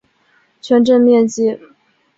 全镇面积。